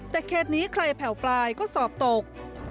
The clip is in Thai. แต่เคสนี้ใครแผ่วปลายก็สอบตก